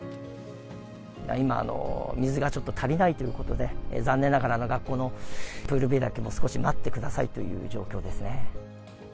今、水がちょっと足りないということで、残念ながら、学校のプール開きも少し待ってくださいという状況ですね。